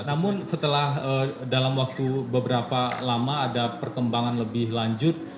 namun setelah dalam waktu beberapa lama ada perkembangan lebih lanjut